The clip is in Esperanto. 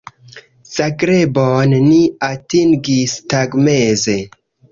Zagrebon ni atingis tagmeze.